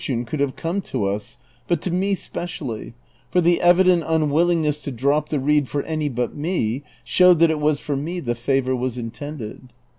line could have come to us, but to me specially ; for the evident un willingness to drop the reed for any but me showed that it was for me the favor was intended.